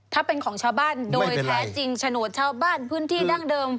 ถ้าเป็นของชาวบ้านโดยแท้จริงโฉนดชาวบ้านพื้นที่ดั้งเดิม